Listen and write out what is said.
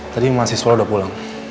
tadi mahasiswa udah pulang